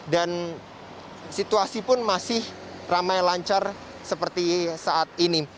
dan situasi pun masih ramai lancar seperti saat ini